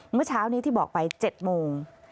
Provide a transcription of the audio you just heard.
เมื่อเช้านี้ที่บอกไป๗โมง